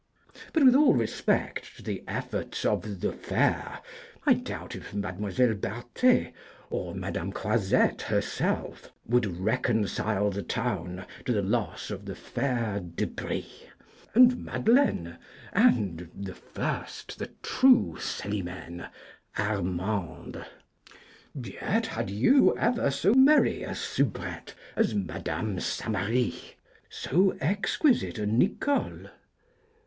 But, with all respect to the efforts of the fair, I doubt if Mdlle. Barthet, or Mdme. Croizette herself, would reconcile the town to the loss of the fair De Brie, and Madeleine, and the first, the true Céliméne, Armande. Yet had you ever so merry a soubrette as Mdme. Samary, so exquisite a Nicole?